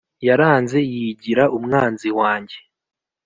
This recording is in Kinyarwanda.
Yaranze yigira umwanzi wanjye